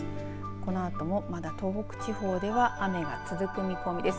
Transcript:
このあともまだ東北地方では雨が続く見込みです。